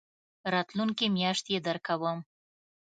راتلونکې میاشت يي درکوم